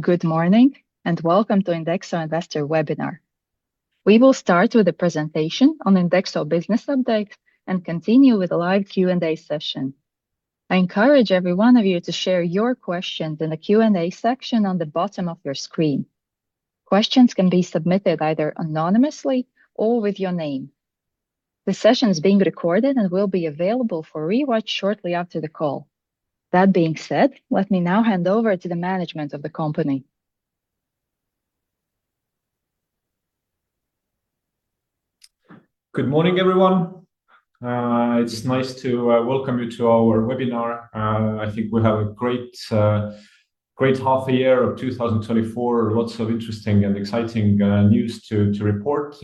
Good morning and welcome to INDEXO Investor Webinar. We will start with a presentation on INDEXO business updates and continue with a live Q&A session. I encourage every one of you to share your questions in the Q&A section on the bottom of your screen. Questions can be submitted either anonymously or with your name. The session is being recorded and will be available for re-watch shortly after the call. That being said, let me now hand over to the management of the company. Good morning, everyone. It's nice to welcome you to our webinar. I think we have a great half a year of 2024. Lots of interesting and exciting news to report.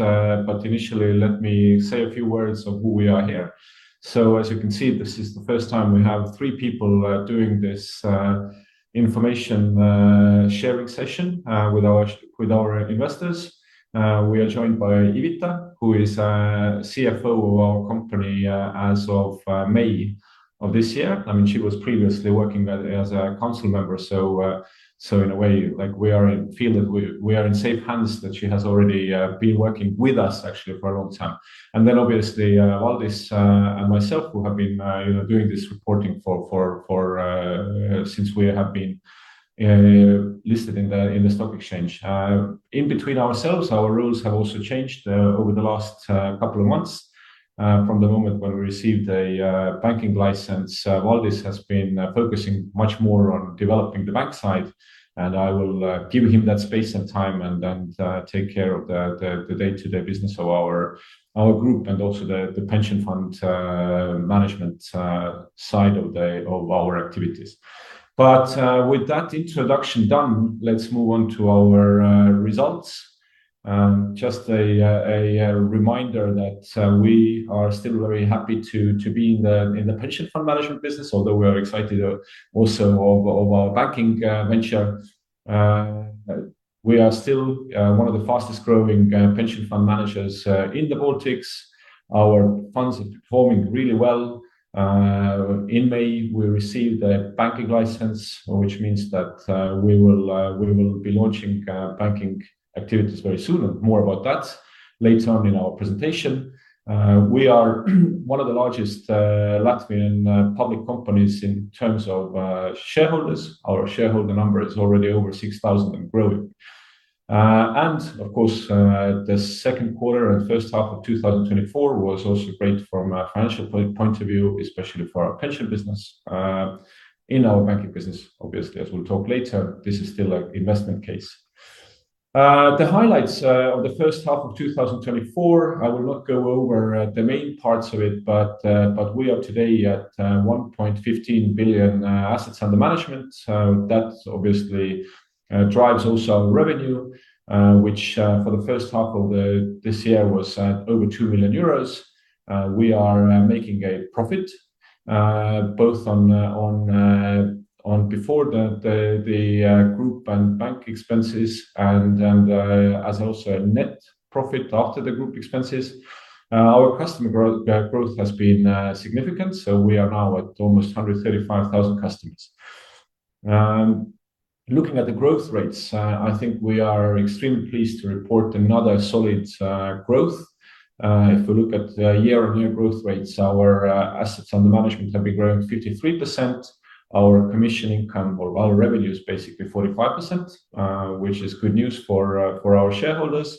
Initially, let me say a few words of who we are here. As you can see, this is the first time we have three people doing this information sharing session with our investors. We are joined by Ivita, who is CFO of our company as of May of this year. She was previously working as a council member. In a way, we feel that we are in safe hands, that she has already been working with us, actually, for a long time. Then, obviously, Valdis and myself, who have been doing this reporting since we have been listed in the stock exchange. In between ourselves, our roles have also changed over the last couple of months. From the moment when we received a banking license, Valdis has been focusing much more on developing the bank side, and I will give him that space and time and take care of the day-to-day business of our group and also the pension fund management side of our activities. With that introduction done, let's move on to our results. Just a reminder that we are still very happy to be in the pension fund management business, although we are excited also of our banking venture. We are still one of the fastest growing pension fund managers in the Baltics. Our funds are performing really well. In May, we received a banking license, which means that we will be launching banking activities very soon. More about that later on in our presentation. We are one of the largest Latvian public companies in terms of shareholders. Our shareholder number is already over 6,000 and growing. Of course, the second quarter and first half of 2024 was also great from a financial point of view, especially for our pension business. In our banking business, obviously, as we'll talk later, this is still an investment case. The highlights of the first half of 2024, I will not go over the main parts of it, but we are today at 1.15 billion assets under management. That obviously drives also revenue, which for the first half of this year was at over 2 million euros. We are making a profit, both on before the group and bank expenses and as also a net profit after the group expenses. Our customer growth has been significant, so we are now at almost 135,000 customers. Looking at the growth rates, I think we are extremely pleased to report another solid growth. If we look at the year-on-year growth rates, our assets under management have been growing 53%. Our commission income or our revenue is basically 45%, which is good news for our shareholders.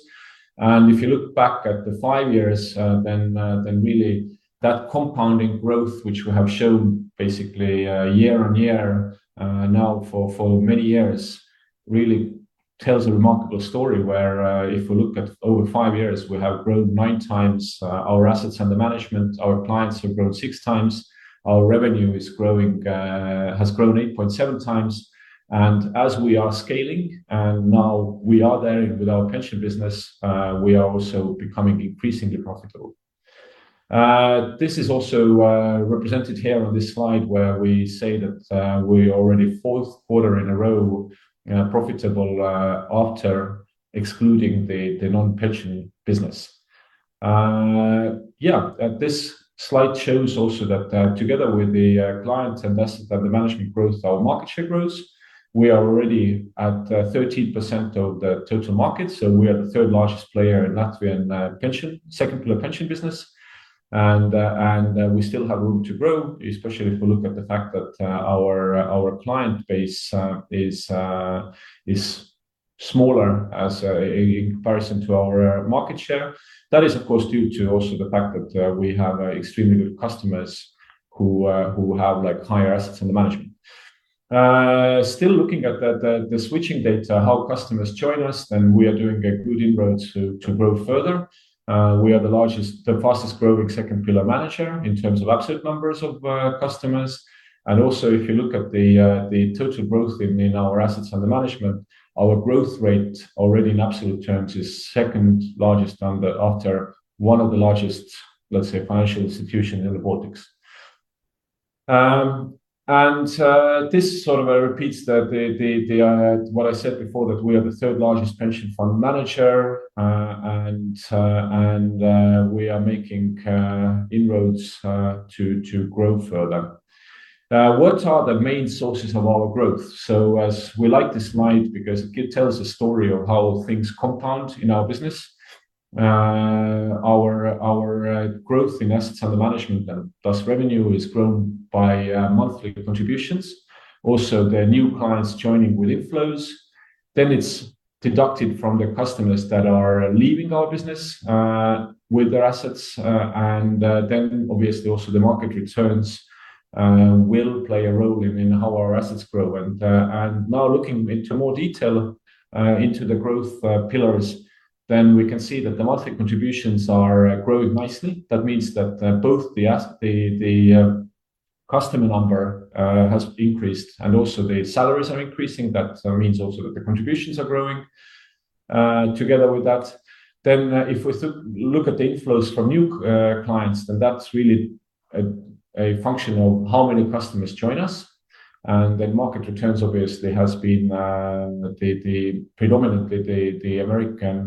If you look back at the five years, then really that compounding growth, which we have shown basically year-on-year now for many years, really tells a remarkable story where if we look at over five years, we have grown nine times our assets under management, our clients have grown six times, our revenue has grown 8.7 times. As we are scaling and now we are there with our pension business, we are also becoming increasingly profitable. This is also represented here on this slide where we say that we are in fourth quarter in a row profitable after excluding the non-pension business. Yeah, this slide shows also that together with the client assets under management growth, our market share grows. We are already at 13% of the total market, so we are the third largest player in Latvian second pillar pension business. We still have room to grow, especially if we look at the fact that our client base is smaller as a comparison to our market share. That is, of course, due to also the fact that we have extremely good customers who have higher assets under management. Still looking at the switching data, how customers join us, then we are doing a good inroad to grow further. We are the fastest growing second pillar manager in terms of absolute numbers of customers. Also, if you look at the total growth in our assets under management, our growth rate already in absolute terms is second largest number after one of the largest, let's say, financial institutions in the Baltics. This sort of repeats what I said before, that we are the third largest pension fund manager, and we are making inroads to grow further. What are the main sources of our growth? We like this slide because it tells a story of how things compound in our business. Our growth in assets under management and thus revenue is grown by monthly contributions. Also, the new clients joining with inflows, then it's deducted from the customers that are leaving our business with their assets. Then obviously also the market returns will play a role in how our assets grow. Now looking into more detail into the growth pillars, then we can see that the monthly contributions are growing nicely. That means that both the customer number has increased, and also the salaries are increasing. That means also that the contributions are growing. Together with that, then if we look at the inflows from new clients, then that's really a function of how many customers join us. Market returns obviously has been predominantly the American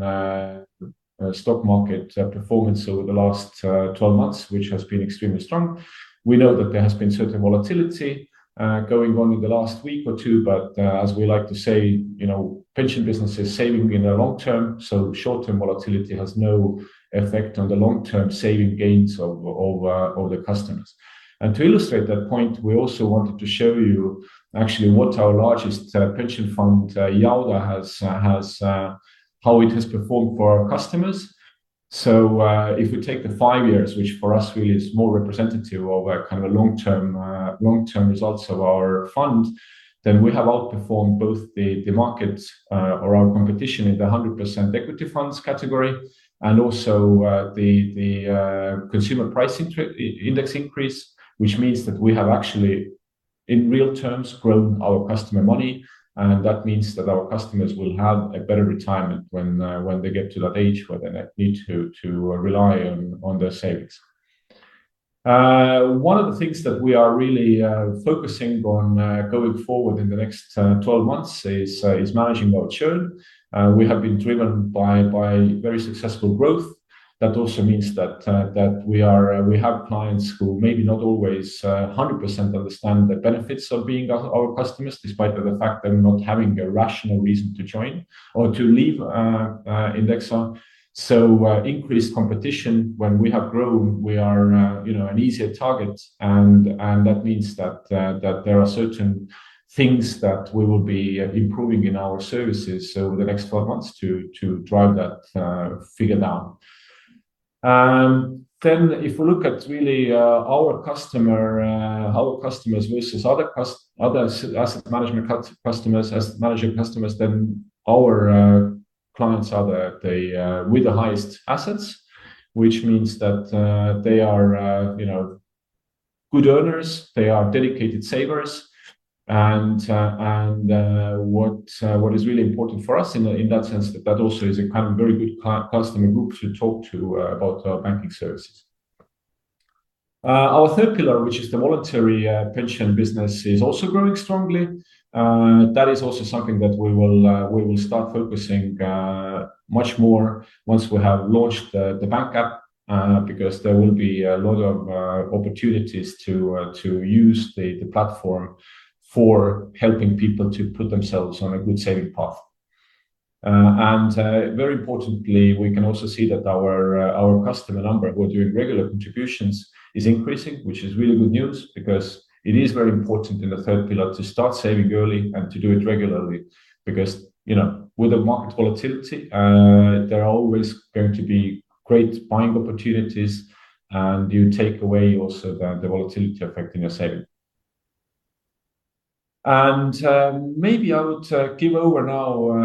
stock market performance over the last 12 months, which has been extremely strong. We know that there has been certain volatility going on in the last week or two, but as we like to say, pension business is saving in the long term, so short-term volatility has no effect on the long-term saving gains of the customers. To illustrate that point, we also wanted to show you actually what our largest pension fund, Jauda, how it has performed for our customers. If we take the five years, which for us really is more representative of our kind of long-term results of our fund, then we have outperformed both the markets or our competition in the 100% equity funds category and also the consumer price index increase, which means that we have actually, in real terms, grown our customer money, and that means that our customers will have a better retirement when they get to that age where they need to rely on their savings. One of the things that we are really focusing on going forward in the next 12 months is managing our churn. We have been driven by very successful growth. That also means that we have clients who maybe not always 100% understand the benefits of being our customers, despite the fact they're not having a rational reason to join or to leave INDEXO. Increased competition when we have grown, we are an easier target, and that means that there are certain things that we will be improving in our services over the next 12 months to drive that figure down. If we look at really our customers versus other asset management customers, then our clients are with the highest assets, which means that they are good earners, they are dedicated savers, and what is really important for us in that sense, that also is a kind of very good customer group to talk to about our banking services. Our third pillar, which is the voluntary pension business, is also growing strongly. That is also something that we will start focusing much more once we have launched the bank app because there will be a lot of opportunities to use the platform for helping people to put themselves on a good saving path. Very importantly, we can also see that our customer number who are doing regular contributions is increasing, which is really good news because it is very important in the third pillar to start saving early and to do it regularly because, with the market volatility, there are always going to be great buying opportunities, and you take away also the volatility affecting your saving. Maybe I would give over now.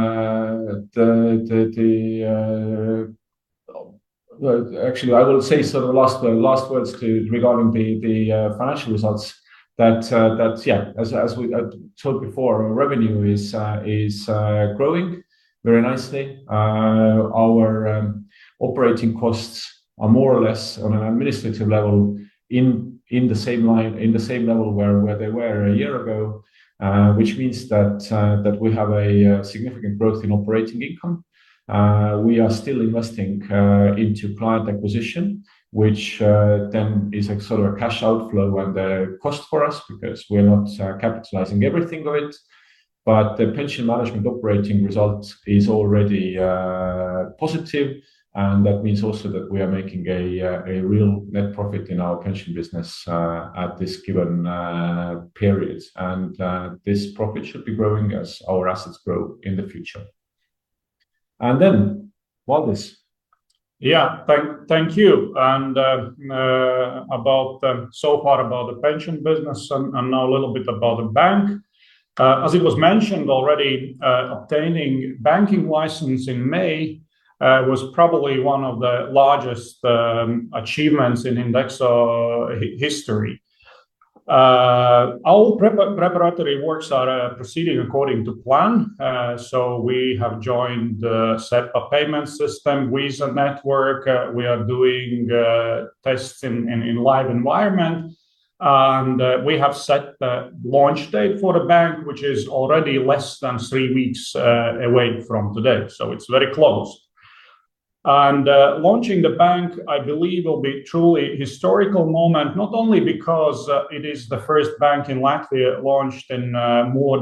Actually, I will say some last words regarding the financial results. That yeah, as we told before, revenue is growing very nicely. Our operating costs are more or less on an administrative level in the same level where they were a year ago, which means that we have a significant growth in operating income. We are still investing into client acquisition, which then is like sort of a cash outflow and a cost for us because we are not capitalizing everything of it. The pension management operating results is already positive, and that means also that we are making a real net profit in our pension business at this given period. This profit should be growing as our assets grow in the future. Then, Valdis. Yeah. Thank you. So far about the pension business and now a little bit about the bank. As it was mentioned already, obtaining banking license in May was probably one of the largest achievements in INDEXO history. Our preparatory works are proceeding according to plan. We have joined the SEPA payment system, Visa network. We are doing tests in live environment. We have set the launch date for the bank, which is already less than three weeks away from today. It's very close. Launching the bank, I believe, will be a truly historical moment, not only because it is the first bank in Latvia launched in more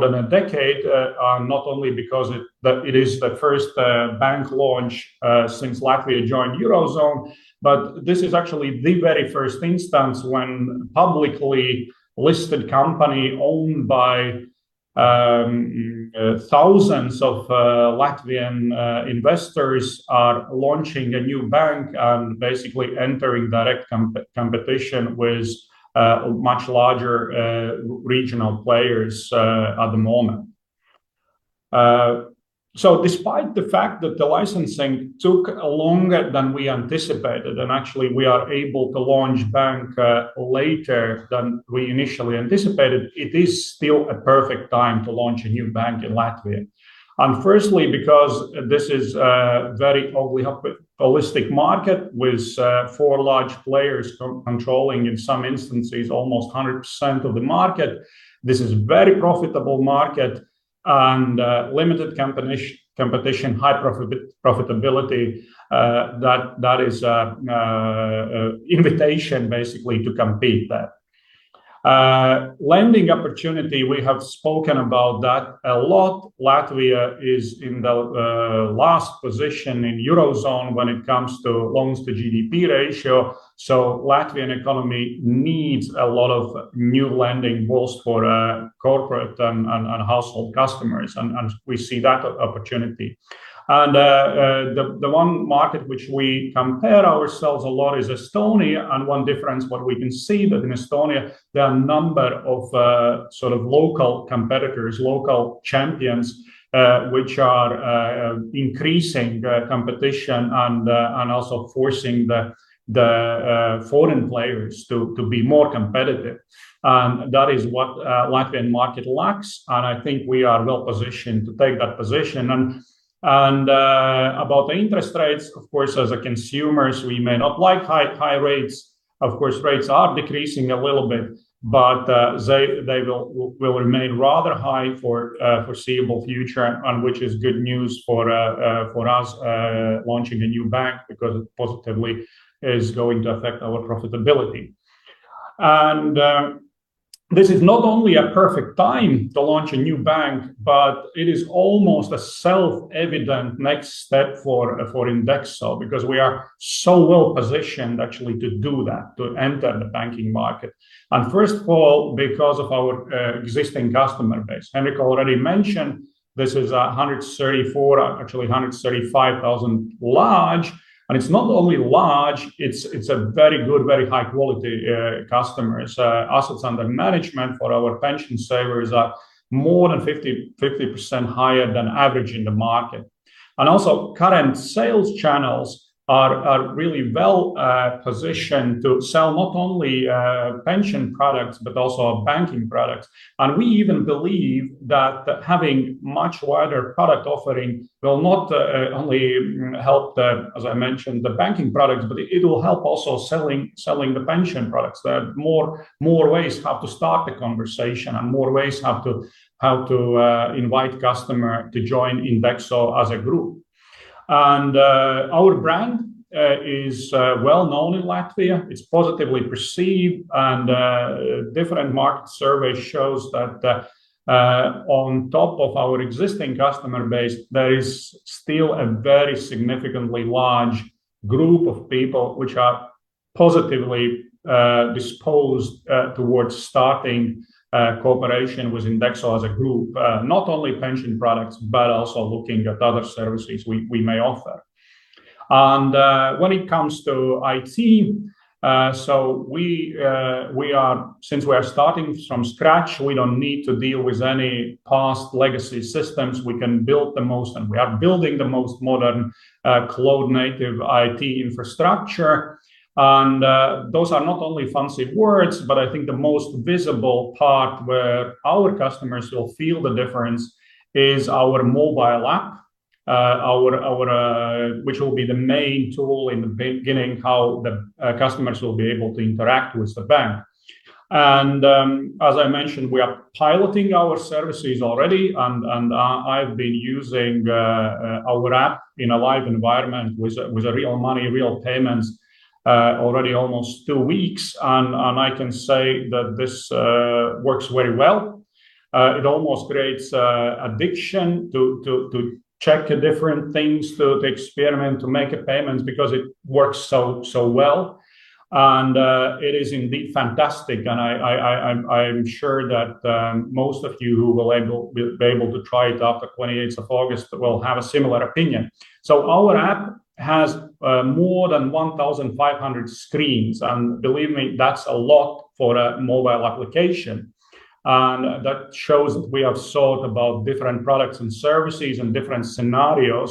than a decade, not only because it is the first bank launch since Latvia joined the Eurozone, but this is actually the very first instance when a publicly listed company owned by thousands of Latvian investors are launching a new bank and basically entering direct competition with much larger regional players at the moment. Despite the fact that the licensing took longer than we anticipated, and actually we are able to launch the bank later than we initially anticipated, it is still a perfect time to launch a new bank in Latvia. Firstly, because this is very, what we hope, a holistic market with four large players controlling, in some instances, almost 100% of the market. This is a very profitable market and limited competition, high profitability, that is an invitation basically to compete there. Lending opportunity, we have spoken about that a lot. Latvia is in the last position in Eurozone when it comes to loans to GDP ratio, so Latvian economy needs a lot of new lending, both for corporate and household customers, and we see that opportunity. The one market which we compare ourselves a lot is Estonia and one difference what we can see that in Estonia, there are a number of local competitors, local champions, which are increasing competition and also forcing the foreign players to be more competitive. That is what Latvian market lacks, and I think we are well-positioned to take that position. About the interest rates, of course, as consumers, we may not like high rates. Of course, rates are decreasing a little bit, but they will remain rather high for foreseeable future, and which is good news for us launching a new bank because it positively is going to affect our profitability. This is not only a perfect time to launch a new bank, but it is almost a self-evident next step for INDEXO because we are so well positioned, actually, to do that, to enter the banking market. First of all, because of our existing customer base. Henrik already mentioned this is 134, actually 135,000 large, and it's not only large, it's a very good, very high quality customers. Assets under management for our pension savers are more than 50% higher than average in the market. Also current sales channels are really well positioned to sell not only pension products but also banking products. We even believe that having much wider product offering will not only help the, as I mentioned, the banking products, but it will help also selling the pension products. There are more ways how to start the conversation and more ways how to invite customer to join IPAS INDEXO as a group. Our brand is well known in Latvia. It's positively perceived and different market survey shows that on top of our existing customer base, there is still a very significantly large group of people which are positively disposed towards starting cooperation with IPAS INDEXO as a group, not only pension products, but also looking at other services we may offer. When it comes to IT, since we are starting from scratch, we don't need to deal with any past legacy systems. We can build the most, and we are building the most modern cloud-native IT infrastructure. Those are not only fancy words, but I think the most visible part where our customers will feel the difference is our mobile app, which will be the main tool in the beginning, how the customers will be able to interact with the bank. As I mentioned, we are piloting our services already and I've been using our app in a live environment with real money, real payments, already almost two weeks, and I can say that this works very well. It almost creates addiction to check different things, to experiment, to make payments because it works so well. It is indeed fantastic and I am sure that most of you who will be able to try it after 28th of August will have a similar opinion. Our app has more than 1,500 screens, and believe me, that's a lot for a mobile application. That shows we have thought about different products and services and different scenarios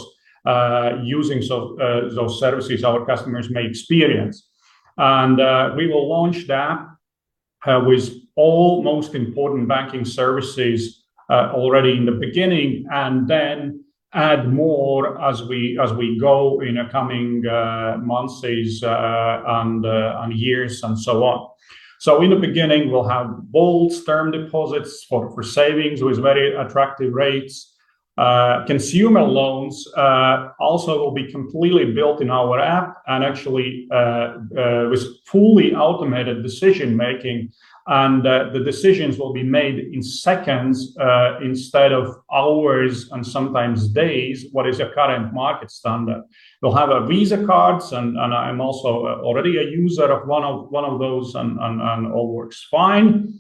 using those services our customers may experience. We will launch the app with all most important banking services already in the beginning and then add more as we go in the coming months and years and so on. In the beginning, we'll have both term deposits for savings with very attractive rates. Consumer loans also will be completely built in our app and actually with fully automated decision-making, and the decisions will be made in seconds instead of hours and sometimes days, what is a current market standard. You'll have Visa cards, and I'm also already a user of one of those and all works fine.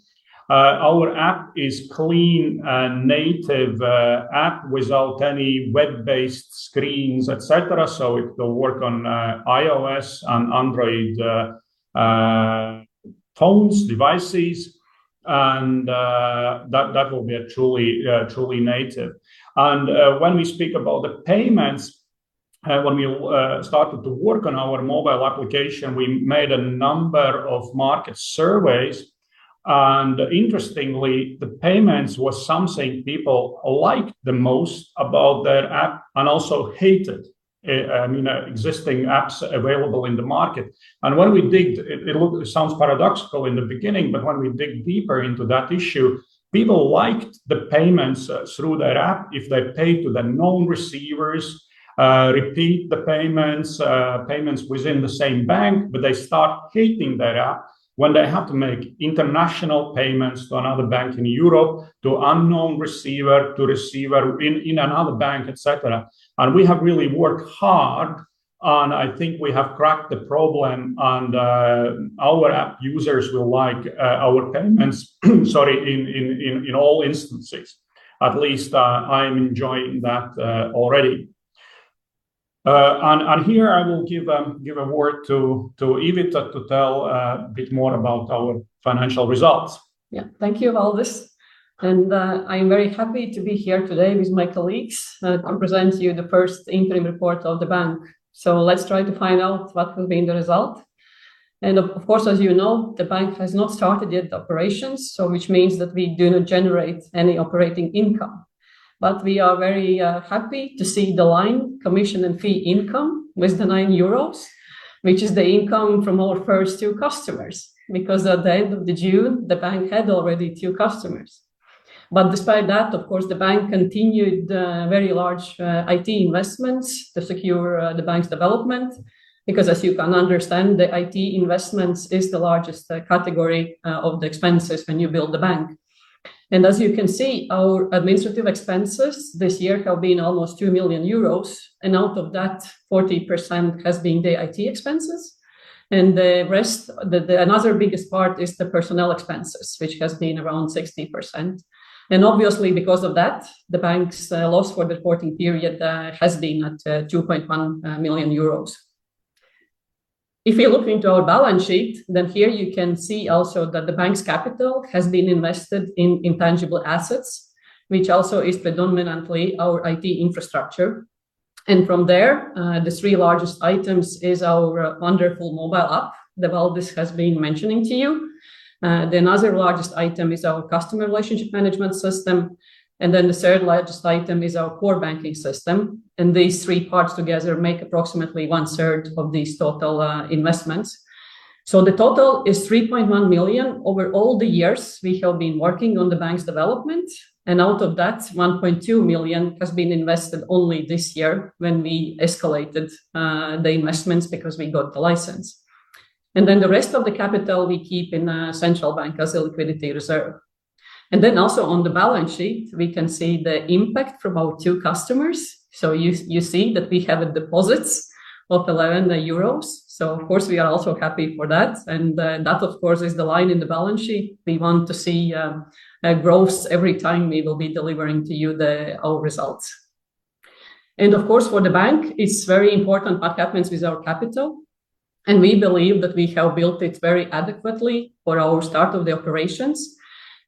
Our app is cloud-native app without any web-based screens, et cetera, so it will work on iOS and Android phones, devices, and that will be truly native. When we speak about the payments, when we started to work on our mobile application, we made a number of market surveys. Interestingly, the payments was something people liked the most about the app and also hated existing apps available in the market. It sounds paradoxical in the beginning, but when we dig deeper into that issue, people liked the payments through that app if they paid to the known receivers, repeat the payments within the same bank, but they start hating that app when they have to make international payments to another bank in Europe, to unknown receiver, to receiver in another bank, et cetera. We have really worked hard, and I think we have cracked the problem and our app users will like our payments sorry, in all instances. At least, I am enjoying that already. Here I will give a word to Ivita to tell a bit more about our financial results. Yeah. Thank you, Valdis. I'm very happy to be here today with my colleagues and present you the first interim report of the bank. Let's try to find out what will be the result. Of course, as you know, the bank has not started yet operations, so that means that we do not generate any operating income. We are very happy to see the commissions and fee income with the 9 euros, which is the income from our first two customers, because at the end of June, the bank had already two customers. Despite that, of course, the bank continued very large IT investments to secure the bank's development, because as you can understand, the IT investments is the largest category of the expenses when you build the bank. As you can see, our administrative expenses this year have been almost 2 million euros, and out of that, 40% has been the IT expenses. The rest, another biggest part is the personnel expenses, which has been around 16%. Obviously because of that, the bank's loss for the reporting period has been at 2.1 million euros. If you look into our balance sheet, then here you can see also that the bank's capital has been invested in intangible assets, which also is predominantly our IT infrastructure. From there, the three largest items is our wonderful mobile app that Valdis has been mentioning to you. The other largest item is our customer relationship management system, and then the third-largest item is our core banking system, and these three parts together make approximately one third of these total investments. The total is 3.1 million over all the years we have been working on the bank's development, and out of that, 1.2 million has been invested only this year when we escalated the investments because we got the license. The rest of the capital we keep in the central bank as a liquidity reserve. On the balance sheet, we can see the impact from our two customers. You see that we have deposits of 11 euros. Of course, we are also happy for that, and that, of course, is the line in the balance sheet we want to see growth every time we will be delivering to you our results. Of course, for the bank, it's very important what happens with our capital, and we believe that we have built it very adequately for our start of the operations.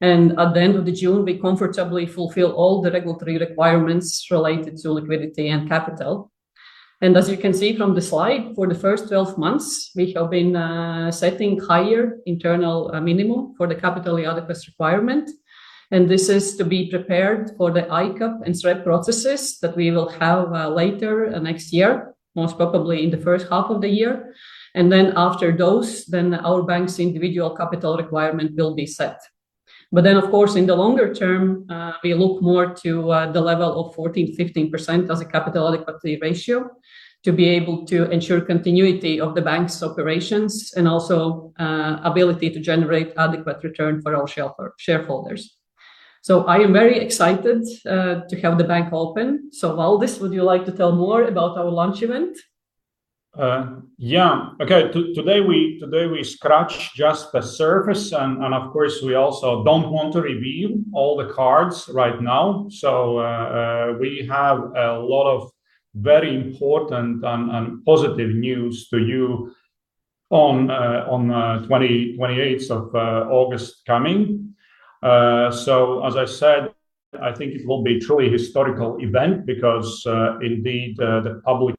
At the end of June, we comfortably fulfill all the regulatory requirements related to liquidity and capital. As you can see from the slide, for the first 12 months, we have been setting higher internal minimum for the capital adequacy requirement, and this is to be prepared for the ICAAP and SREP processes that we will have later next year, most probably in the first half of the year. Then after those, then our bank's individual capital requirement will be set. Then, of course, in the longer term, we look more to the level of 14%-15% as a capital adequacy ratio to be able to ensure continuity of the bank's operations and also ability to generate adequate return for our shareholders. I am very excited to have the bank open. Valdis, would you like to tell more about our launch event? Yeah. Okay. Today we scratched just the surface, and of course, we also don't want to reveal all the cards right now. We have a lot of very important and positive news to you on 28th of August coming. As I said, I think it will be truly historical event because indeed, the publicly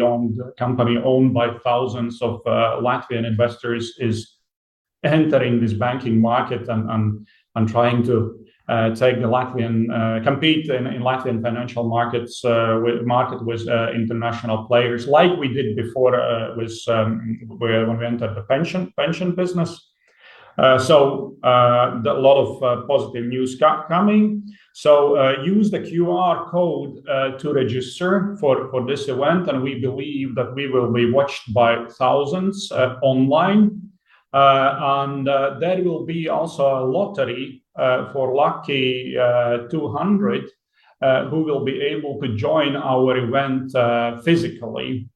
owned company owned by thousands of Latvian investors is entering this banking market and trying to compete in Latvian financial market with international players like we did before when we entered the pension business. A lot of positive news coming. Use the QR code to register for this event, and we believe that we will be watched by thousands online. There will be also a lottery for lucky 200 who will be able to join our event physically.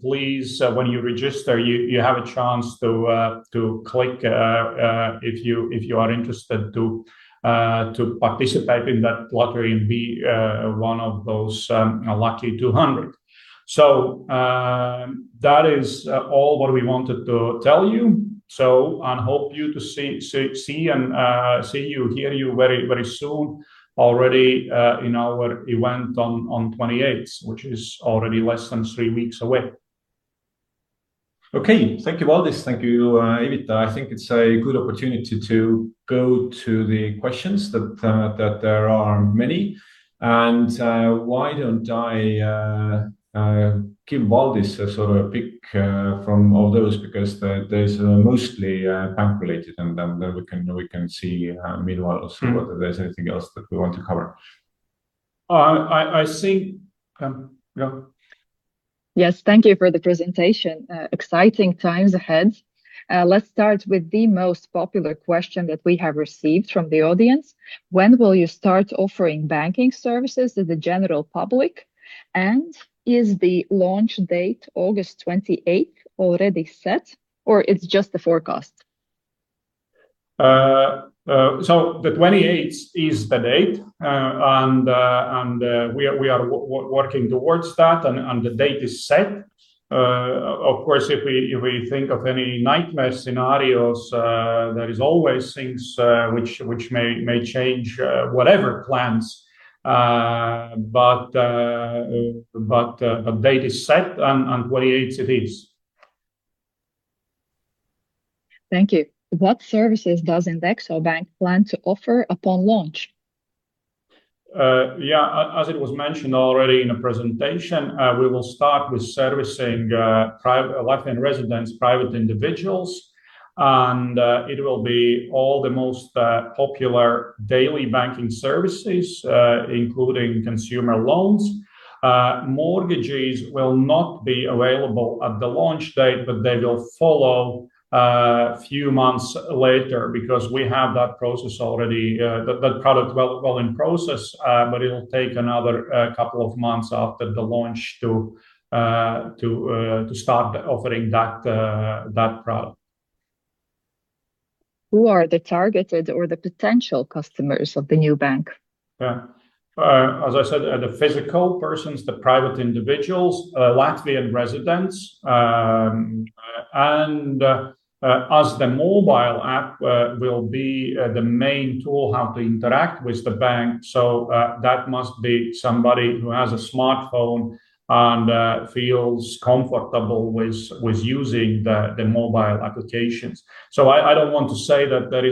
Please, when you register, you have a chance to click if you are interested to participate in that lottery and be one of those lucky 200. That is all what we wanted to tell you. We hope to see you, hear you very soon already in our event on 28th, which is already less than three weeks away. Okay. Thank you, Valdis. Thank you, Ivita. I think it's a good opportunity to go to the questions, that there are many. Why don't I give Valdis a pick from all those, because there's mostly bank related, and then we can see meanwhile also whether there's anything else that we want to cover. I think. Yeah. Yes. Thank you for the presentation. Exciting times ahead. Let's start with the most popular question that we have received from the audience. When will you start offering banking services to the general public, and is the launch date August 28th already set, or it's just the forecast? The 28th is the date, and we are working towards that, and the date is set. Of course, if we think of any nightmare scenarios, there is always things which may change whatever plans, but a date is set, and 28th it is. Thank you. What services does INDEXO Bank plan to offer upon launch? Yeah, as it was mentioned already in the presentation, we will start with servicing Latvian residents, private individuals, and it will be all the most popular daily banking services, including consumer loans. Mortgages will not be available at the launch date, but they will follow a few months later because we have that product well in process, but it'll take another couple of months after the launch to start offering that product. Who are the targeted or the potential customers of the new bank? Yeah. As I said, the physical persons, the private individuals, Latvian residents, and as the mobile app will be the main tool how to interact with the bank, so that must be somebody who has a smartphone and feels comfortable with using the mobile applications. I don't want to say that there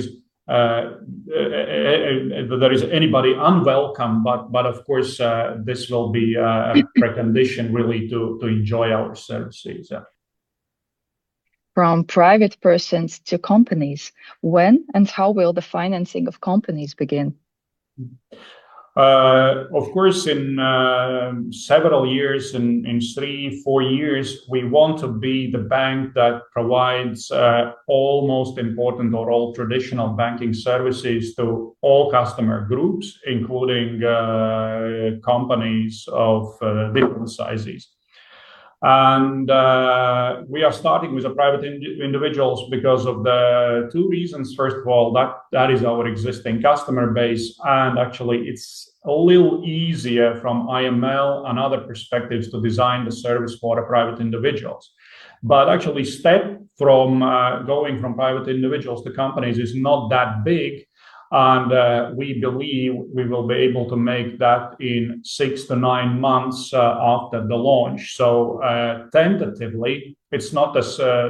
is anybody unwelcome, but of course, this will be a precondition, really, to enjoy our services. Yeah. From private persons to companies, when and how will the financing of companies begin? Of course, in several years, in 3-4 years, we want to be the bank that provides all most important or all traditional banking services to all customer groups, including companies of different sizes. We are starting with the private individuals because of the two reasons. First of all, that is our existing customer base, and actually, it's a little easier from AML and other perspectives to design the service for the private individuals. Actually, step from going from private individuals to companies is not that big, and we believe we will be able to make that in 6-9 months after the launch. Tentatively, it's not a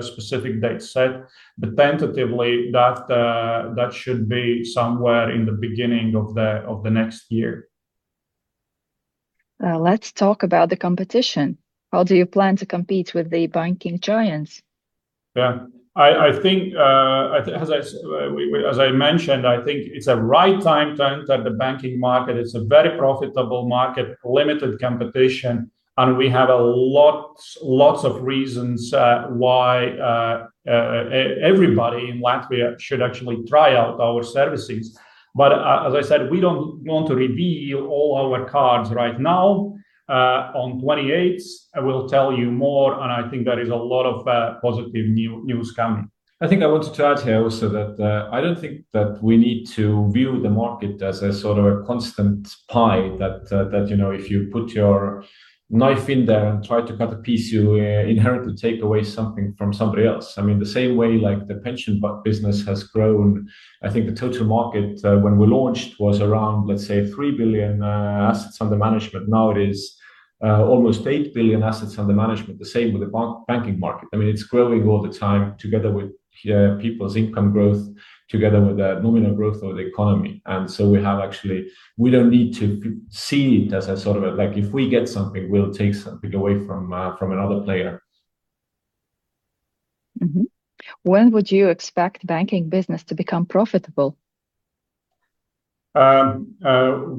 specific date set, but tentatively, that should be somewhere in the beginning of the next year. Let's talk about the competition. How do you plan to compete with the banking giants? Yeah. As I mentioned, I think it's a right time to enter the banking market. It's a very profitable market, limited competition, and we have a lot of reasons why everybody in Latvia should actually try out our services. But as I said, we don't want to reveal all our cards right now. On 28th, I will tell you more, and I think there is a lot of positive news coming. I think I want to add here also that I don't think that we need to view the market as a sort of constant pie that if you put your knife in there and try to cut a piece, you inherently take away something from somebody else. I mean, the same way, like the pension business has grown. I think the total market, when we launched, was around, let's say, 3 billion assets under management. Now it is almost 8 billion assets under management. The same with the banking market. I mean, it's growing all the time together with people's income growth, together with the nominal growth of the economy. We don't need to see it as a sort of like if we get something, we'll take something away from another player. When would you expect banking business to become profitable?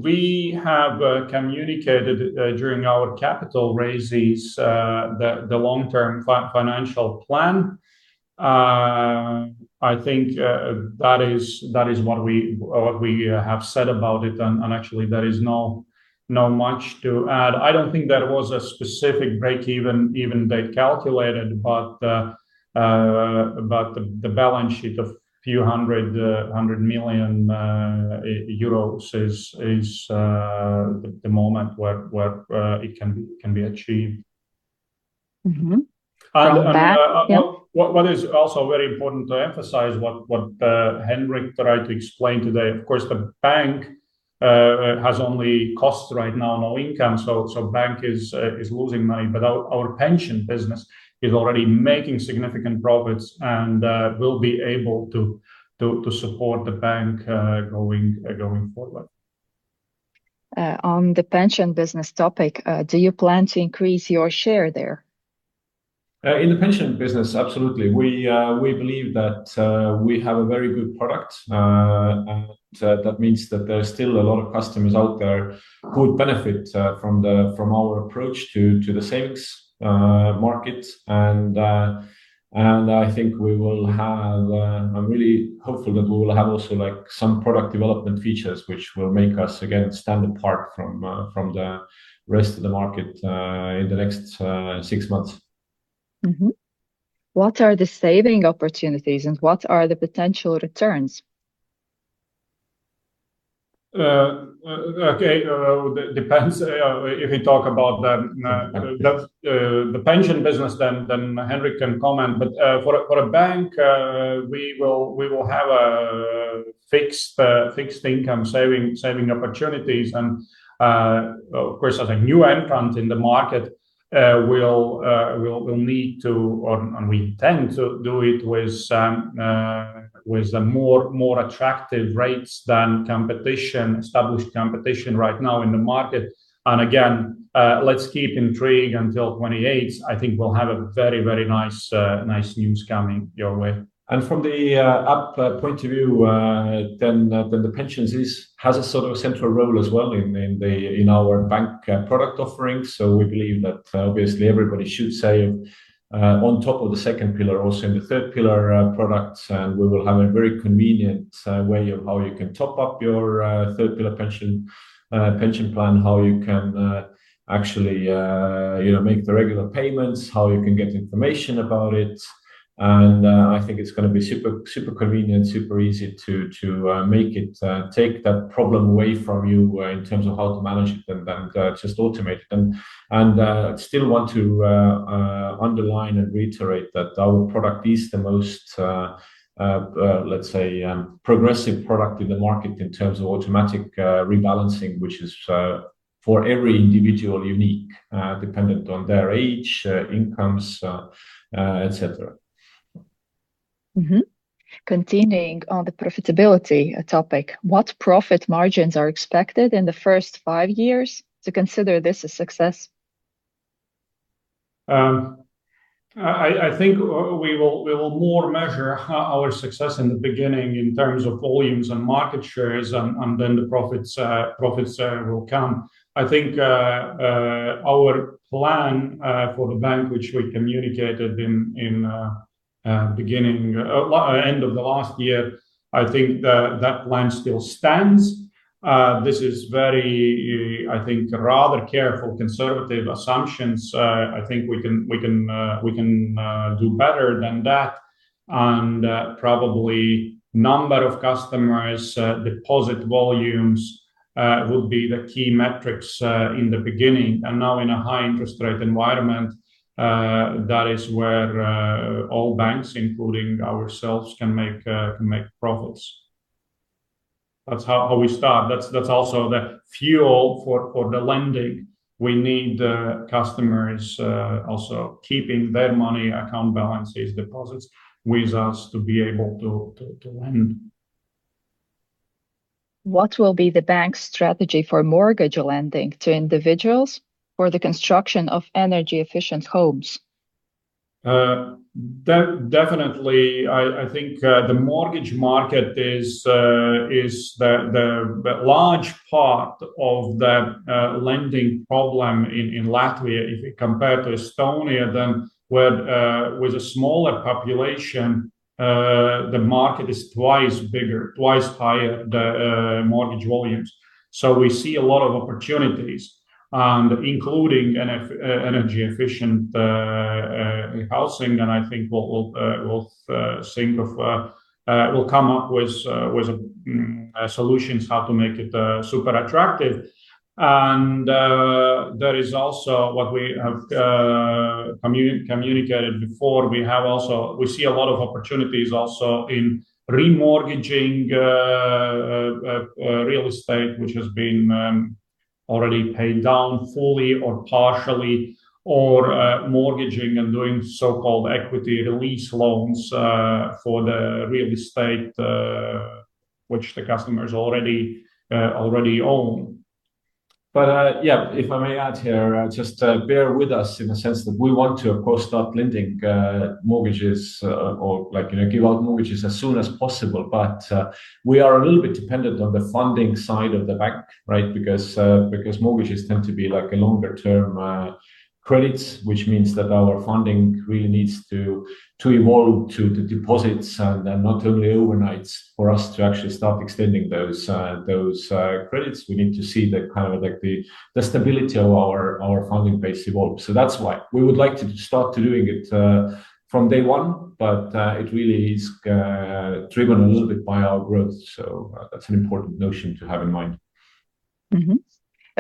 We have communicated during our capital raises the long-term financial plan. I think that is what we have said about it, and actually, there is not much to add. I don't think there was a specific breakeven event they calculated. The balance sheet of few hundred million EUR is the moment where it can be achieved. From that, yep. What is also very important to emphasize, what Henrik tried to explain today, of course, the bank has only costs right now, no income, so bank is losing money. Our pension business is already making significant profits and will be able to support the bank going forward. On the pension business topic, do you plan to increase your share there? In the pension business, absolutely. We believe that we have a very good product, and that means that there are still a lot of customers out there who would benefit from our approach to the savings market. I think I'm really hopeful that we will have also some product development features which will make us, again, stand apart from the rest of the market in the next six months. What are the saving opportunities and what are the potential returns? Okay. Depends if you talk about Pension business... the pension business, then Henrik can comment. For a bank, we will have fixed income saving opportunities and, of course, as a new entrant in the market, and we intend to do it with more attractive rates than established competition right now in the market. Again, let's keep intrigue until 28. I think we'll have a very, very nice news coming your way. From the app point of view, then the pensions has a sort of central role as well in our bank product offerings. We believe that obviously everybody should save on top of the second pillar, also in the third pillar products. We will have a very convenient way of how you can top up your third pillar pension plan, how you can actually make the regular payments, how you can get information about it. I think it's going to be super convenient, super easy to make it take that problem away from you in terms of how to manage it and just automate them. I still want to underline and reiterate that our product is the most, let's say, progressive product in the market in terms of automatic rebalancing, which is for every individual, unique, dependent on their age, incomes, et cetera. Continuing on the profitability topic, what profit margins are expected in the first five years to consider this a success? I think we will more measure our success in the beginning in terms of volumes and market shares, and then the profits will come. I think our plan for the bank, which we communicated at the end of last year, I think that plan still stands. This is very, I think, rather careful conservative assumptions. I think we can do better than that, and probably number of customers, deposit volumes will be the key metrics in the beginning. Now in a high interest rate environment, that is where all banks, including ourselves, can make profits. That's how we start. That's also the fuel for the lending. We need customers also keeping their money, account balances, deposits with us to be able to lend. What will be the bank's strategy for mortgage lending to individuals for the construction of energy efficient homes? Definitely, I think the mortgage market is the large part of the lending problem in Latvia. If you compare to Estonia then, with a smaller population, the market is twice bigger, twice higher, the mortgage volumes. We see a lot of opportunities, and including energy efficient housing. I think we'll come up with solutions how to make it super attractive. That is also what we have communicated before. We see a lot of opportunities also in remortgaging real estate, which has been already paid down fully or partially, or mortgaging and doing so-called equity release loans for the real estate which the customers already own. Yeah, if I may add here, just bear with us in the sense that we want to, of course, start lending mortgages or give out mortgages as soon as possible. We are a little bit dependent on the funding side of the bank, right? Because mortgages tend to be longer-term credits, which means that our funding really needs to evolve to the deposits and not only overnight for us to actually start extending those credits. We need to see the stability of our funding base evolve. That's why. We would like to start doing it from day one, but it really is driven a little bit by our growth. That's an important notion to have in mind. A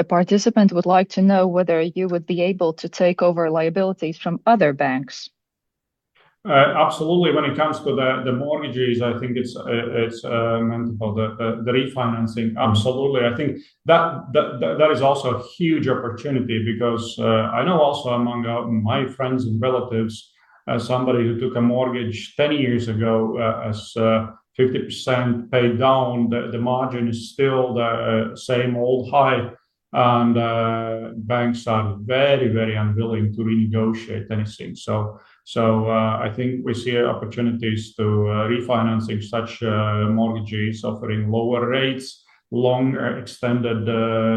participant would like to know whether you would be able to take over liabilities from other banks. Absolutely. When it comes to the mortgages, I think it's meant for the refinancing. Absolutely. I think that is also a huge opportunity because I know also among my friends and relatives, somebody who took a mortgage 30 years ago as 50% paid down, the margin is still the same old high, and banks are very, very unwilling to renegotiate anything. I think we see opportunities to refinancing such mortgages, offering lower rates, longer extended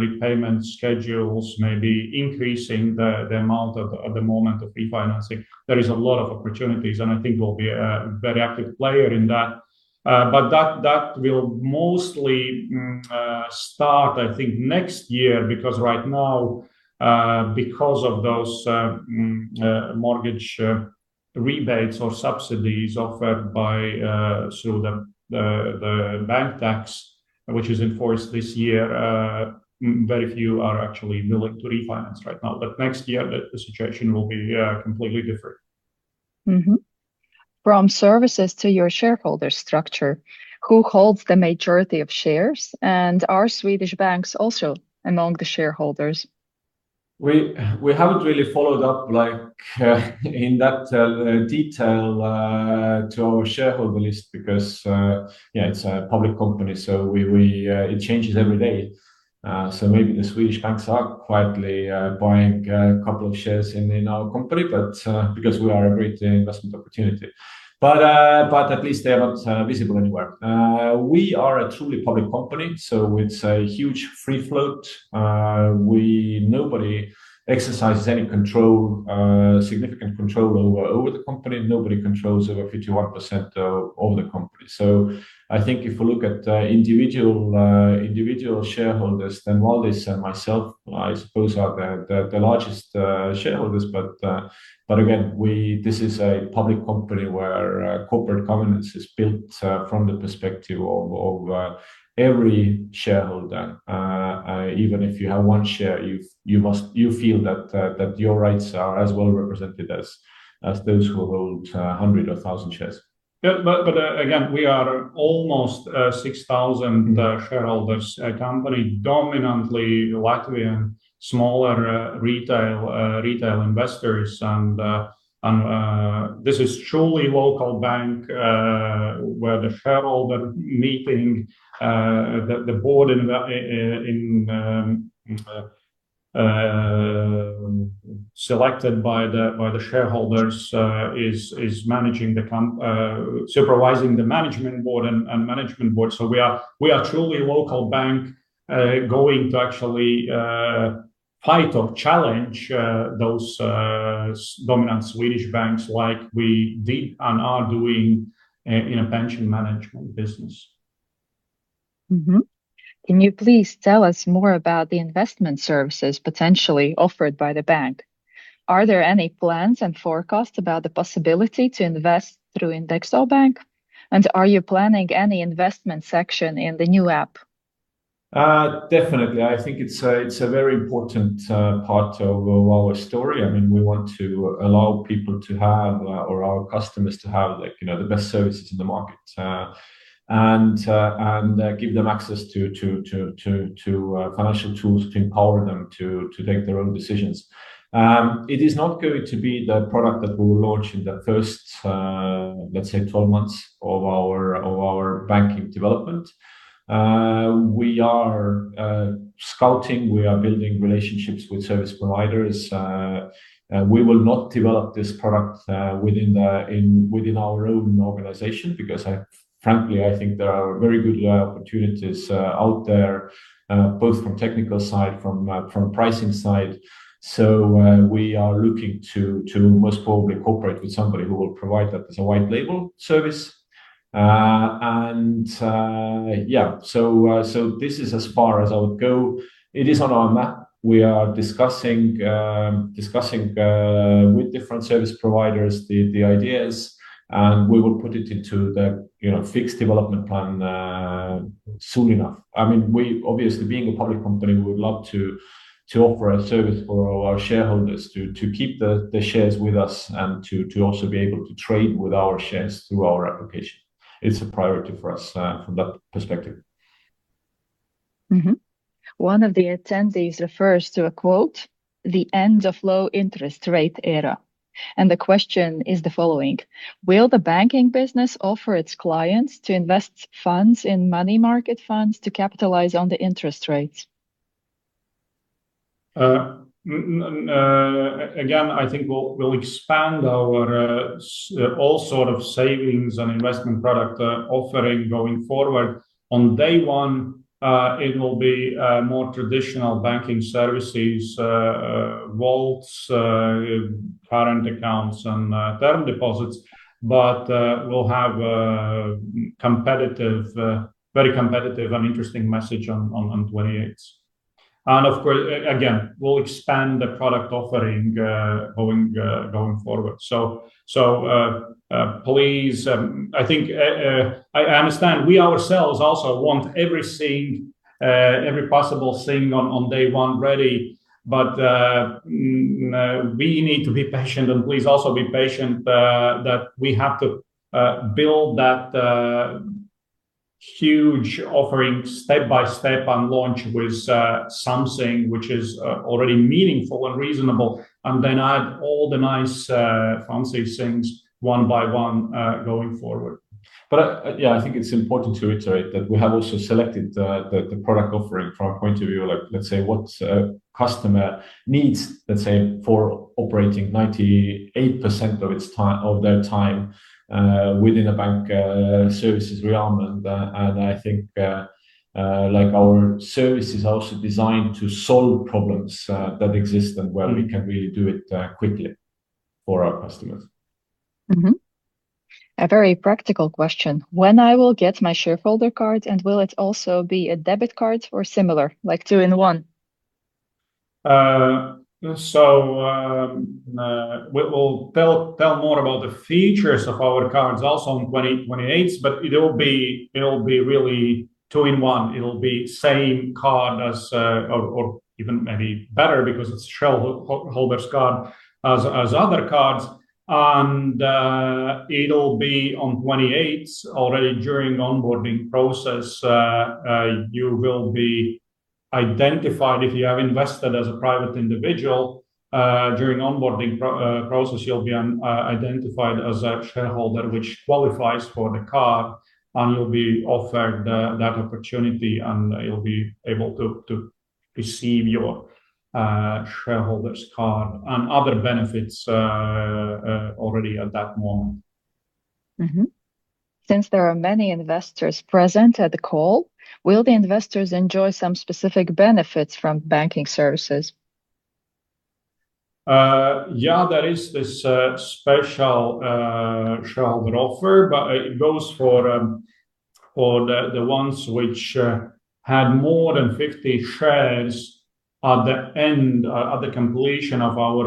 repayment schedules, maybe increasing the amount at the moment of refinancing. There is a lot of opportunities, and I think we'll be a very active player in that. That will mostly start, I think, next year, because right now because of those mortgage rebates or subsidies offered through the solidarity contribution, which is enforced this year, very few are actually willing to refinance right now. Next year, the situation will be completely different. From services to your shareholder structure, who holds the majority of shares and are Swedish banks also among the shareholders? We haven't really followed up in that detail to our shareholder list because, yeah, it's a public company, so it changes every day. Maybe the Swedish banks are quietly buying a couple of shares in our company because we are a great investment opportunity. At least they are not visible anywhere. We are a truly public company, so with a huge free float. Nobody exercises any significant control over the company. Nobody controls over 51% of the company. I think if you look at individual shareholders, then Valdis and myself, I suppose, are the largest shareholders. Again, this is a public company where corporate governance is built from the perspective of every shareholder. Even if you have one share, you feel that your rights are as well represented as those who hold 100 or 1,000 shares. Again, we are almost 6,000 shareholders, a company dominantly Latvian, smaller retail investors. This is truly local bank, where the shareholder meeting, the board selected by the shareholders, is supervising the management board. We are truly a local bank, going to actually fight or challenge those dominant Swedish banks like we did and are doing in a pension management business. Can you please tell us more about the investment services potentially offered by the bank? Are there any plans and forecasts about the possibility to invest through INDEXO Bank, and are you planning any investment section in the new app? Definitely. I think it's a very important part of our story. We want to allow people to have, or our customers to have the best services in the market, and give them access to financial tools to empower them to make their own decisions. It is not going to be the product that we'll launch in the first, let's say, 12 months of our banking development. We are scouting, we are building relationships with service providers. We will not develop this product within our own organization because frankly, I think there are very good opportunities out there, both from technical side, from pricing side. We are looking to most probably cooperate with somebody who will provide that as a white label service. Yeah, so this is as far as I would go. It is on our map. We are discussing with different service providers the ideas, and we will put it into the fixed development plan soon enough. Obviously, being a public company, we would love to offer a service for our shareholders to keep the shares with us and to also be able to trade with our shares through our application. It's a priority for us from that perspective. One of the attendees refers to a quote, "The end of low interest rate era." The question is the following: will the banking business offer its clients to invest funds in money market funds to capitalize on the interest rates? Again, I think we'll expand our all sort of savings and investment product offering going forward. On day one, it will be more traditional banking services, vaults, current accounts, and term deposits. We'll have a very competitive and interesting message on 28th. Again, we'll expand the product offering going forward. Please, I understand, we ourselves also want every possible thing on day one ready. We need to be patient and please also be patient that we have to build that huge offering step by step and launch with something which is already meaningful and reasonable, and then add all the nice fancy things one by one going forward. Yeah, I think it's important to iterate that we have also selected the product offering from a point of view of, let's say, what customer needs, let's say, for operating 98% of their time within a bank services realm. I think our service is also designed to solve problems that exist and where we can really do it quickly for our customers. A very practical question. When I will get my shareholder card, and will it also be a debit card or similar, like two in one? We will tell more about the features of our cards also on 28th, but it'll be really two in one. It'll be same card or even maybe better because it's shareholder's card, as other cards. It'll be on 28th already during onboarding process, you will be identified if you have invested as a private individual, during onboarding process, you'll be identified as a shareholder which qualifies for the card, and you'll be offered that opportunity, and you'll be able to receive your shareholder's card and other benefits already at that moment. Since there are many investors present at the call, will the investors enjoy some specific benefits from banking services? Yeah, there is this special shareholder offer, but it goes for the ones which had more than 50 shares at the end of the completion of our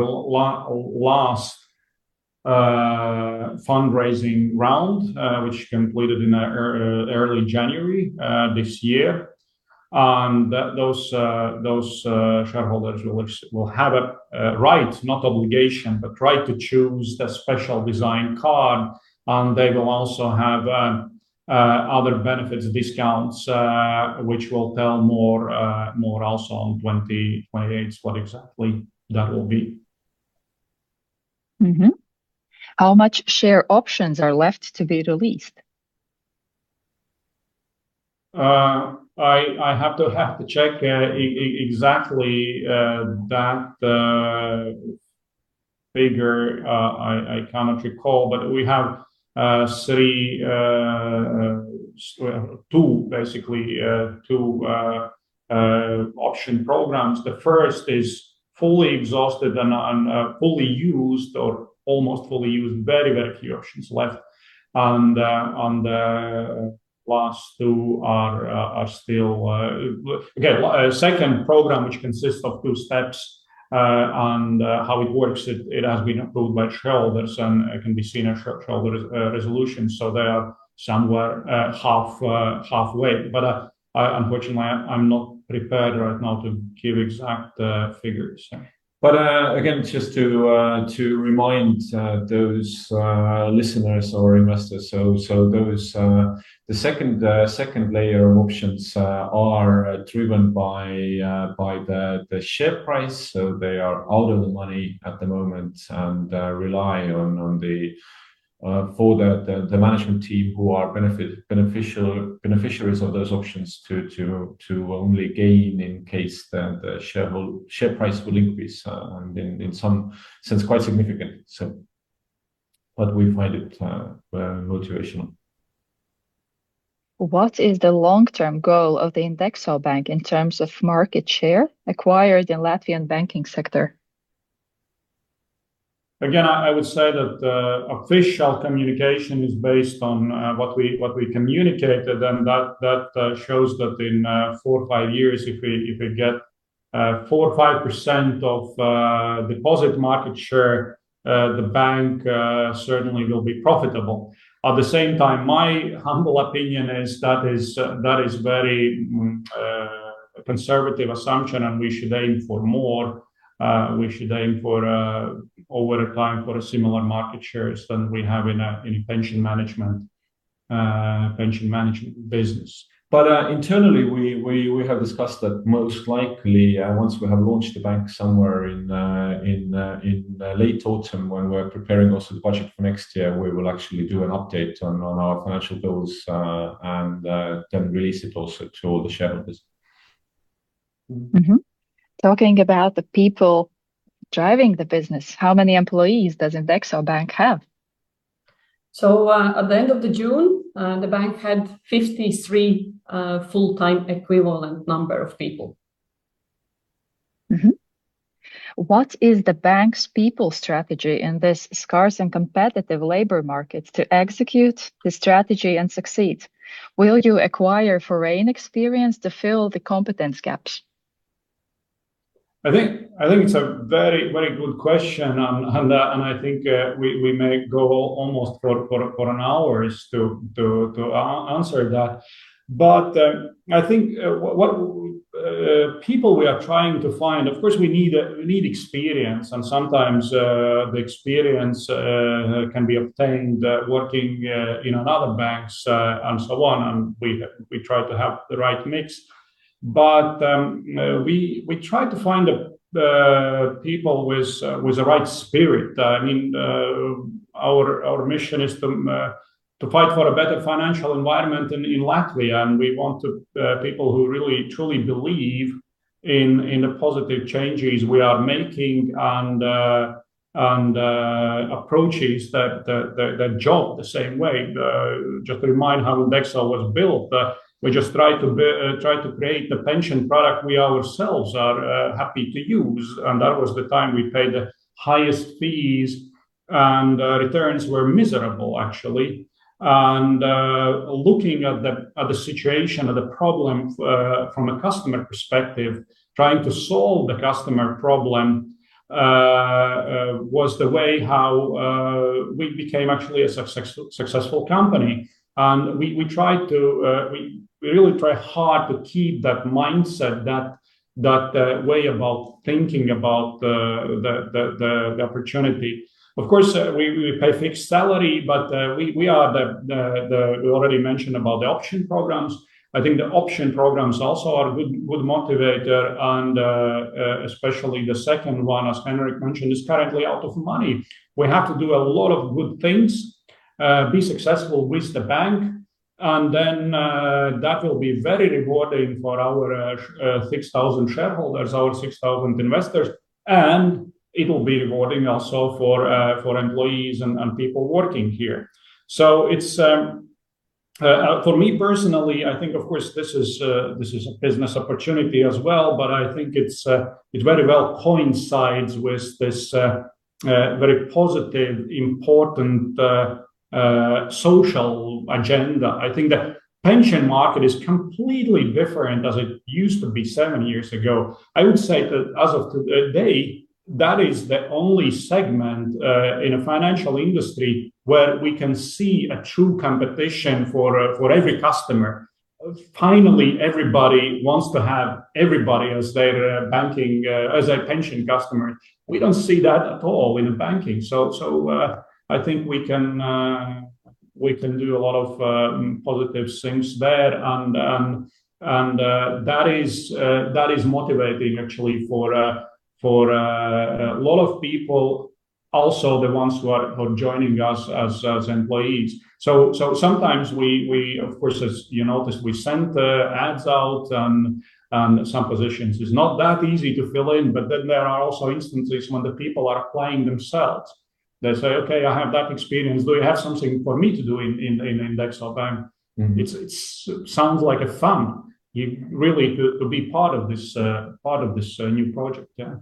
last fundraising round, which completed in early January this year. Those shareholders will have a right, not obligation, but right to choose the special design card, and they will also have other benefits, discounts which we'll tell more also on 28th what exactly that will be. How much share options are left to be released? I have to check exactly that figure. I cannot recall, but we have two basically option programs. The first is fully exhausted and fully used or almost fully used, very few options left. Second program, which consists of two steps, and how it works, it has been approved by shareholders and can be seen at shareholder resolution. They are somewhere halfway. Unfortunately, I'm not prepared right now to give exact figures. Again, just to remind those listeners or investors, so the second layer of options are driven by the share price, so they are out of the money at the moment and rely on the management team who are beneficiaries of those options to only gain in case the share price will increase and in some sense, quite significant. We find it motivational. What is the long-term goal of the INDEXO Bank in terms of market share acquired in Latvian banking sector? I would say that the official communication is based on what we communicated, and that shows that in four or five years, if we get 4% or 5% of deposit market share, the bank certainly will be profitable. At the same time, my humble opinion is that is very conservative assumption, and we should aim for more. We should aim over the time for a similar market shares than we have in pension management business. Internally, we have discussed that most likely, once we have launched the bank somewhere in late autumn, when we're preparing also the budget for next year, we will actually do an update on our financial goals and then release it also to all the shareholders. Talking about the people driving the business, how many employees does INDEXO Bank have? At the end of June, the bank had 53 full-time equivalent number of people. What is the bank's people strategy in this scarce and competitive labor market to execute the strategy and succeed? Will you acquire foreign experience to fill the competence gaps? I think it's a very good question, and I think we may go almost for an hour to answer that. I think the people we are trying to find, of course, we need experience, and sometimes the experience can be obtained working in other banks and so on, and we try to have the right mix. We try to find the people with the right spirit. Our mission is to fight for a better financial environment in Latvia, and we want people who really, truly believe in the positive changes we are making and approaches that job the same way. Just to remind how INDEXO was built, we just tried to create a pension product we ourselves are happy to use, and that was the time we paid the highest fees and returns were miserable, actually. Looking at the situation or the problem from a customer perspective, trying to solve the customer problem, was the way how we became actually a successful company. We really try hard to keep that mindset, that way about thinking about the opportunity. Of course, we pay fixed salary, but we already mentioned about the option programs. I think the option programs also are a good motivator and especially the second one, as Henrik mentioned, is currently out of money. We have to do a lot of good things, be successful with the bank, and then that will be very rewarding for our 6,000 shareholders, our 6,000 investors, and it will be rewarding also for employees and people working here. For me personally, I think, of course, this is a business opportunity as well, but I think it very well coincides with this very positive, important social agenda. I think the pension market is completely different as it used to be seven years ago. I would say that as of today, that is the only segment in a financial industry where we can see a true competition for every customer. Finally, everybody wants to have everybody as their pension customer. We don't see that at all in banking. I think we can do a lot of positive things there, and that is motivating, actually, for a lot of people, also the ones who are joining us as employees. Sometimes, we, of course, as you noticed, we send ads out, and some positions is not that easy to fill in. But then there are also instances when the people are applying themselves. They say, "Okay, I have that experience. Do you have something for me to do in INDEXO Bank? It sounds like a fun, really, to be part of this new project, yeah.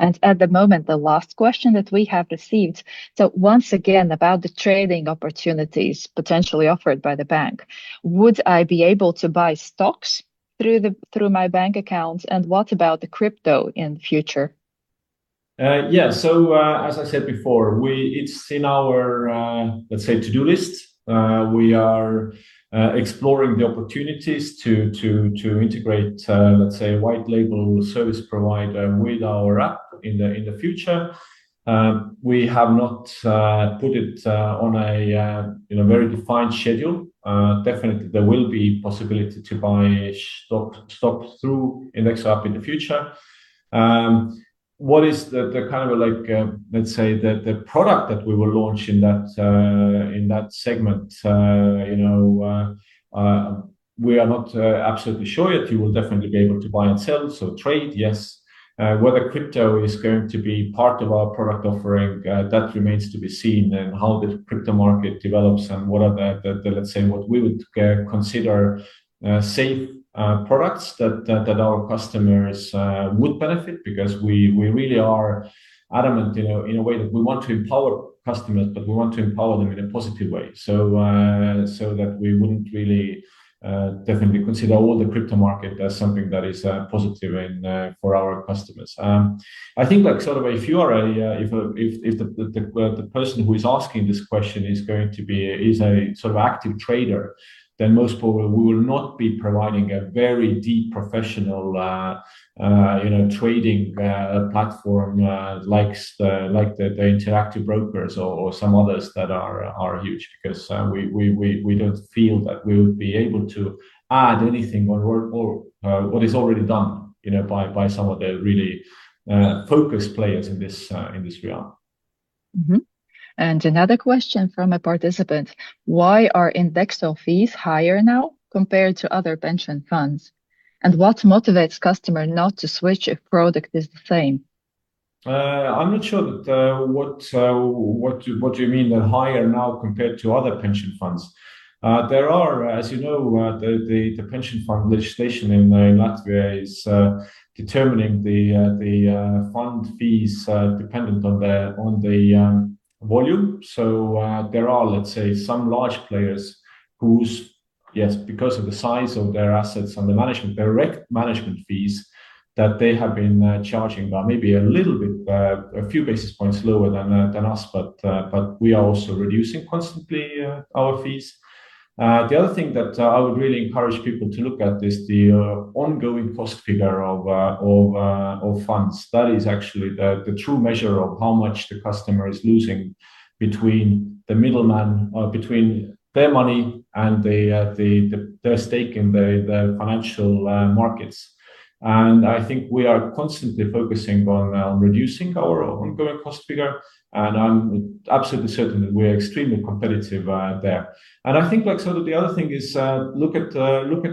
At the moment, the last question that we have received, so once again, about the trading opportunities potentially offered by the bank. Would I be able to buy stocks through my bank account, and what about the crypto in the future? Yeah. As I said before, it's in our, let's say, to-do list. We are exploring the opportunities to integrate, let's say, a white label service provider with our app in the future. We have not put it on a very defined schedule. Definitely, there will be possibility to buy stocks through I app in the future. What is the kind of, let's say, the product that we will launch in that segment, we are not absolutely sure yet. You will definitely be able to buy and sell. Trade, yes. Whether crypto is going to be part of our product offering, that remains to be seen and how the crypto market develops and what are the, let's say, what we would consider safe products that our customers would benefit, because we really are adamant, in a way, that we want to empower customers, but we want to empower them in a positive way, so that we wouldn't really definitely consider all the crypto market as something that is positive for our customers. I think, if the person who is asking this question is a sort of active trader, then most probably we will not be providing a very deep professional trading platform like Interactive Brokers or some others that are huge, because we don't feel that we would be able to add anything on what is already done by some of the really focused players in this realm. Another question from a participant, "Why are INDEXO fees higher now compared to other pension funds? And what motivates customer not to switch if product is the same? I'm not sure, what do you mean they're higher now compared to other pension funds? There are, as you know, the pension fund legislation in Latvia is determining the fund fees dependent on the volume. There are, let's say, some large players who, yes, because of the size of their assets and their direct management fees that they have been charging are maybe a little bit, a few basis points lower than us, but we are also reducing constantly our fees. The other thing that I would really encourage people to look at is the ongoing cost figure of funds. That is actually the true measure of how much the customer is losing between their money and their stake in the financial markets. I think we are constantly purposing on reducing overall the cost figure. I'm absolutely certain that we are extremely competitive there. I think the other thing is look at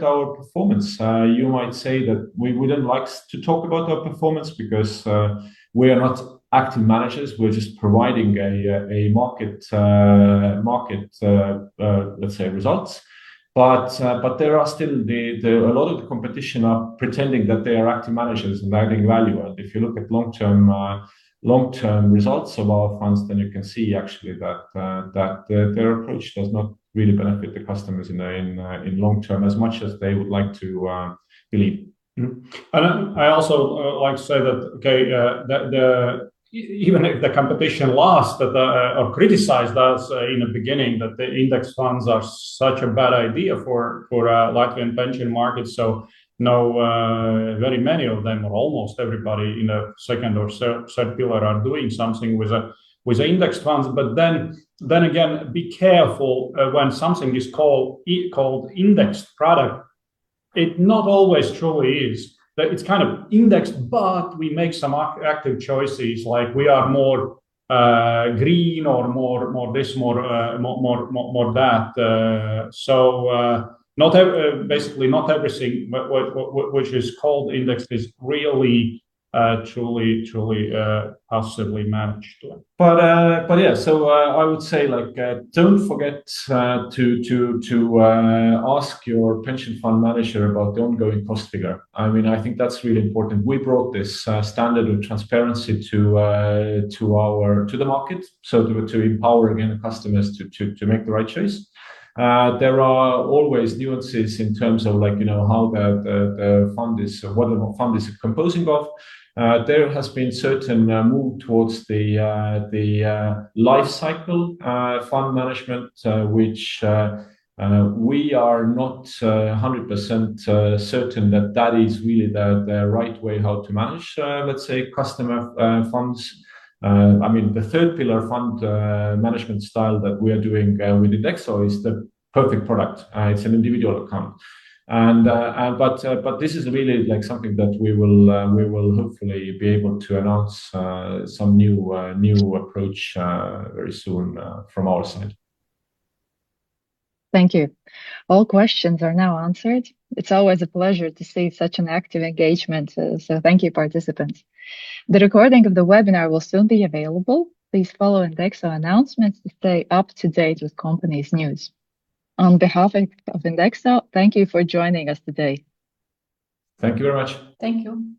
our performance. You might say that we wouldn't like to talk about our performance because, we are not active managers. We are just providing a market, let's say, results. There are still a lot of the competition are pretending that they are active managers and adding value. If you look at long-term results of our funds, then you can see actually that their approach does not really benefit the customers in long-term as much as they would like to believe. I also like to say that, okay, even if the competition laughs or criticized us in the beginning that the index funds are such a bad idea for Latvian pension market. Now, very many of them, or almost everybody in the second or third pillar are doing something with index funds. Then again, be careful when something is called indexed product. It is not always truly indexed, that it's kind of indexed, but we make some active choices. Like we are more green or more this, more that. Basically not everything which is called indexed is really, truly passively managed. Yeah, so I would say, don't forget to ask your pension fund manager about the ongoing cost figure. I think that's really important. We brought this standard of transparency to the market, so to empower again, the customers to make the right choice. There are always nuances in terms of how the fund is, what the fund is composing of. There has been certain move towards the life cycle fund management, which we are not 100% certain that is really the right way how to manage, let's say, customer funds. The third pillar fund management style that we are doing with INDEXO is the perfect product. It's an individual account. This is really something that we will hopefully be able to announce some new approach very soon from our side. Thank you. All questions are now answered. It's always a pleasure to see such an active engagement. Thank you, participants. The recording of the webinar will soon be available. Please follow INDEXO announcements to stay up to date with company's news. On behalf of INDEXO, thank you for joining us today. Thank you very much. Thank you. Thank you.